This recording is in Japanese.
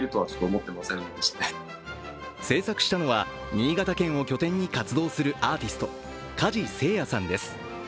制作したのは新潟県を拠点に活動するアーティスト・加地聖哉さんです。